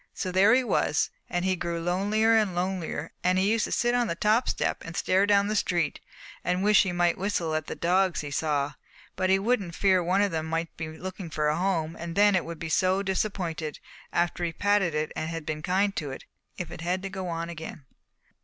So there he was; and he grew lonelier and lonelier and he used to sit on the top step and stare down the street and wish he might whistle at the dogs he saw, but he wouldn't for fear one of them might be looking for a home and then it would be so disappointed after he had patted it and been kind to it, if it had to go on again.